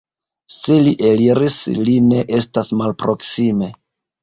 Se li eliris, li ne estas malproksime.